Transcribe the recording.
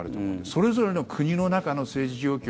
それぞれの国の中の政治状況